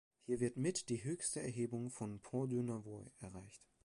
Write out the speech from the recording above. Hier wird mit die höchste Erhebung von Pont-du-Navoy erreicht.